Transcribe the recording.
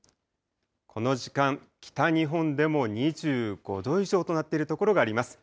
この時間、北日本でも２５度以上となっている所があります。